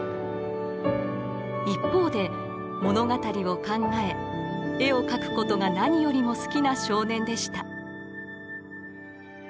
一方で物語を考え絵を描くことが何よりも好きな少年でした。